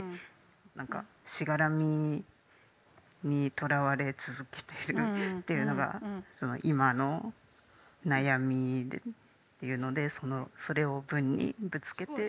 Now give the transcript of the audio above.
何かしがらみにとらわれ続けてるというのが今の悩みというのでそれを文にぶつけてみました。